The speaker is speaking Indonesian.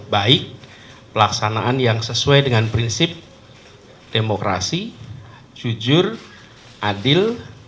baik pelaksanaan yang sesuai dengan prinsip demokrasi jujur adil